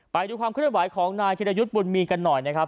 ไปดูความเคลื่อนไหวของนายธิรยุทธ์บุญมีกันหน่อยนะครับ